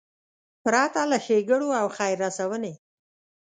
پرته له ښېګړو او خیر رسونې.